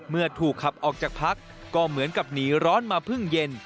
เมื่อถูกขับออกจากพักก็เหมือนกับหนีร้อนมาเพิ่งเย็น